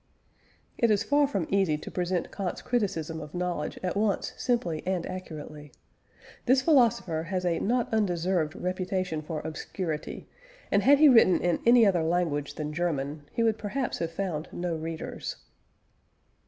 It is far from easy to present Kant's criticism of knowledge at once simply and accurately. This philosopher has a not undeserved reputation for obscurity, and had he written in any other language than German, he would perhaps have found no readers.